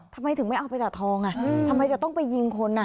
ทำไมถึงไม่เอาไปตัดทองอ่ะทำไมจะต้องไปยิงคนอ่ะ